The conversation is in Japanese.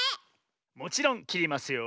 もちろんきりますよ。